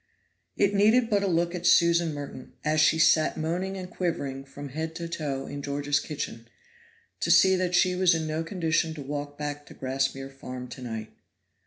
It needed but a look at Susan Merton, as she sat moaning and quivering from head to foot in George's kitchen, to see that she was in no condition to walk back to Grassmere Farm to night.